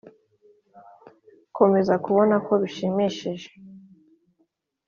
wakomeza kubonako bishimishije